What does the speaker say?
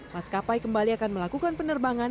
mas kapai kembali akan melakukan penerbangan